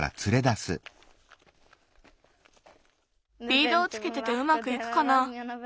リードをつけててうまくいくかな。